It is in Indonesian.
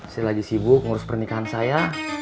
saya lagi sibuk ngurus pernikahan saya